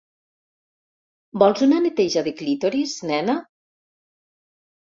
¿Vols una neteja de clítoris, nena?